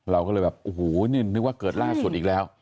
เราก็เลยแบบโอ้โหนี่นึกว่าเกิดล่าสุดอีกแล้ว